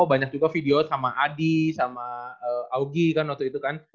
banyak juga video sama adi sama augie kan waktu itu kan